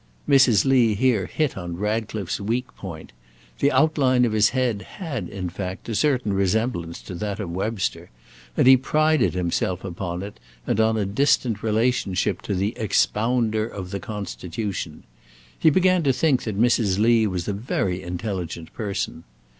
Mrs. Lee here hit on Ratcliffe's weak point; the outline of his head had, in fact, a certain resemblance to that of Webster, and he prided himself upon it, and on a distant relationship to the Expounder of the Constitution; he began to think that Mrs. Lee was a very intelligent person.